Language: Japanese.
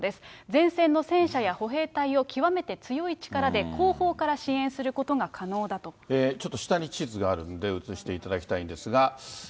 前線の戦車や歩兵隊を極めて強い力で後方から支援することが可能ちょっと下に地図があるんで、映していただきたいんですが。